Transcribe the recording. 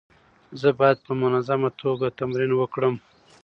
زه باید په منظمه توګه تمرین وکړم.